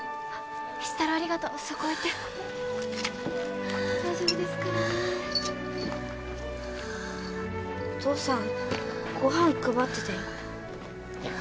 一太郎ありがとうそこ置いて大丈夫ですからねお父さんご飯配ってたよ